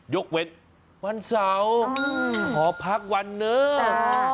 ยกเว้นวันเสาร์ขอพักวันหนึ่ง